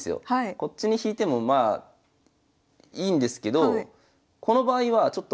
こっちに引いてもまあいいんですけどこの場合はちょっと。